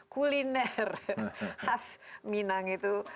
kuliner khas minang itu